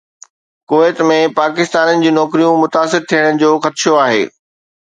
ڪويت ۾ پاڪستانين جون نوڪريون متاثر ٿيڻ جو خدشو آهي